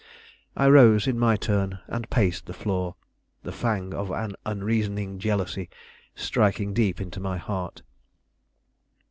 I rose in my turn and paced the floor, the fang of an unreasoning jealousy striking deep into my heart.